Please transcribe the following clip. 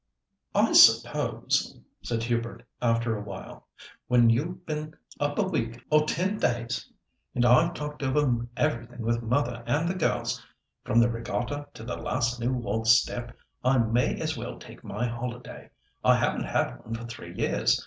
"I suppose," said Hubert, after a while, "when you've been up a week or ten days, and I've talked over everything with mother and the girls, from the regatta to the last new waltz step, I may as well take my holiday. I haven't had one for three years.